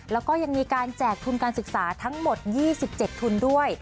แล้วก็ยังมีการแจกทุนการศึกษาทั้งหมด๒๗ทุนด้วย